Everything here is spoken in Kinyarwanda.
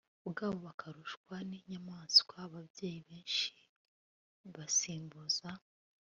rwabo bakarushwa ninyamaswa Ababyeyi benshi basimbuza